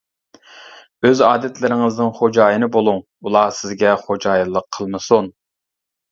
ئۆز ئادەتلىرىڭىزنىڭ خوجايىنى بۇلۇڭ، ئۇلار سىزگە خوجايىنلىق قىلمىسۇن.